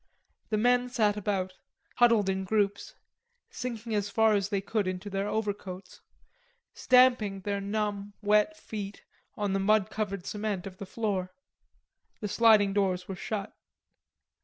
The men sat about, huddled in groups, sinking as far as they could into their overcoats, stamping their numb wet feet on the mud covered cement of the floor. The sliding doors were shut.